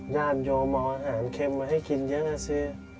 ย่านโยมอาหารเข็มมาให้กินเยอะนะสิ